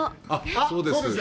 そうです。